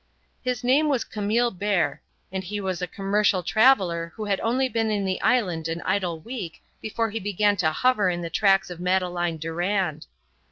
His name was Camille Bert, and he was a commercial traveller who had only been in the island an idle week before he began to hover in the tracks of Madeleine Durand.